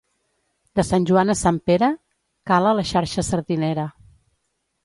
De Sant Joan a Sant Pere cala la xarxa sardinera.